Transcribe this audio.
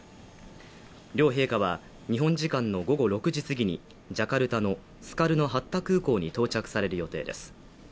両陛下は、日本時間の午後６時過ぎにジャカルタのスカルノ・ハッタ空港に到着される予定です。